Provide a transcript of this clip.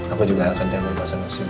aku juga akan dia memasang ke sini